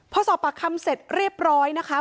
พอสอบปากคำเสร็จเรียบร้อยนะคะ